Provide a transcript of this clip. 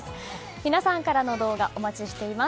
皆さんからの動画お待ちしています。